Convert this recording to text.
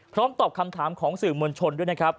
ตอบคำถามของสื่อมวลชนด้วยนะครับ